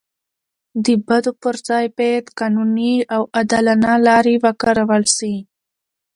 د بدو پر ځای باید قانوني او عادلانه لارې وکارول سي.